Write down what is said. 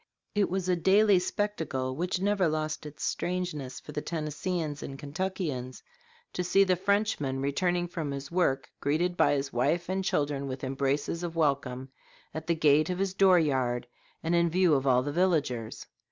It was a daily spectacle, which never lost its strangeness for the Tennesseeans and Kentuckians, to see the Frenchman returning from his work greeted by his wife and children with embraces of welcome "at the gate of his door yard, and in view of all the villagers."